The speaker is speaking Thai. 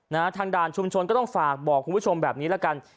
นะฮะทางด่านชุมชนก็ต้องฝากบอกคุณผู้ชมแบบนี้ละกัน